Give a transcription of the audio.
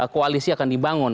koalisi akan dibangun